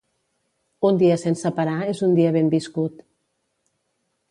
Un dia sense parar, és un dia ben viscut.